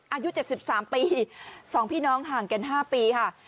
อายุ๗๓ปี๒พี่น้องห่างกัน๕ปีค่ะ